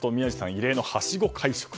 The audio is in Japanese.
異例のはしご会食と。